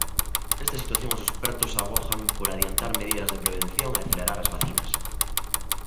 Nesta situación os expertos avogan por adiantar medidas de prevención e acelerar as vacinas.